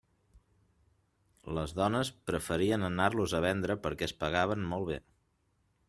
Les dones preferien anar-los a vendre perquè es pagaven molt bé.